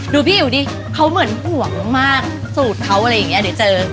พี่อิ๋วดิเขาเหมือนห่วงมากสูตรเขาอะไรอย่างเงี้เดี๋ยวเจอ